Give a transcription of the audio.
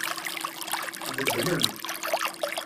Tbeddlem.